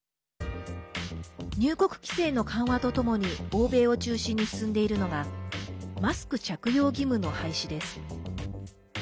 入国規制の緩和とともに欧米を中心に進んでいるのがマスク着用義務の廃止です。